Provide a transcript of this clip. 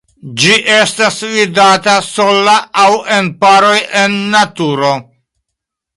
Ĝi estas vidata sola aŭ en paroj en naturo.